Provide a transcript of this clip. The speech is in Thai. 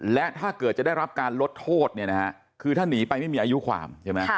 และถ้าเกิดจะได้รับการลดโทษคือถ้านีไปไม่มีอายุความ